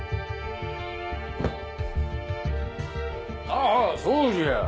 あぁそうじゃ！